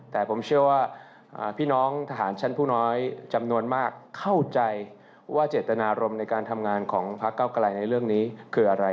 แต่ผมเชื่อว่าพี่น้องทหารชั้นผู้น้อยจำนวนมากเข้าใจว่าเจตนารมณ์ในการทำงานของพักเก้าไกลในเรื่องนี้คืออะไร